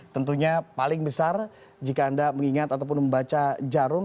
tentunya paling besar jika anda mengingat ataupun membaca jarum